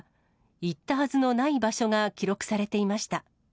行ったはずのない場所が記録されていました。